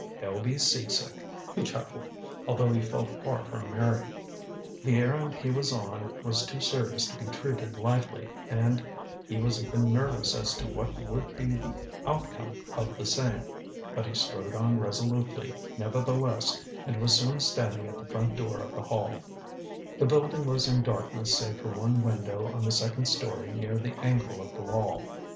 They'll be sea sick." He chuckled, although he felt far from merry. The errand he was on was too serious to be treated lightly, and he was even nervous as to what would be the outcome of the same. But he strode on resolutely, nevertheless, and was soon standing at the front door of the Hall. The building was in darkness save for one window on the second storey near the angle of the wall.